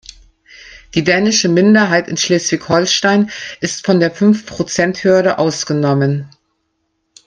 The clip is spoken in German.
Die dänische Minderheit in Schleswig-Holstein ist von der Fünfprozenthürde ausgenommen.